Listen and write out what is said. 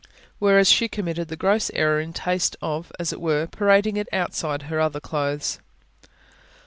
Whereas she committed the gross error in taste of, as it were, parading it outside her other clothes.